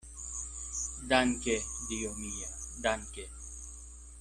Danke, Dio mia, danke!